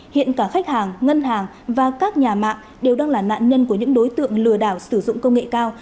hiện cả khách hàng ngân hàng và các nhà mạng đều đang là nạn nhân của những đối tượng lừa đảo sử dụng công nghệ cao